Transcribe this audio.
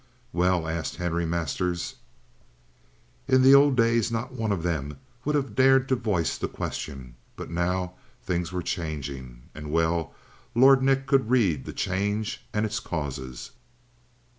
"Well?" asked Harry Masters. In the old days not one of them would have dared to voice the question, but now things were changing, and well Lord Nick could read the change and its causes.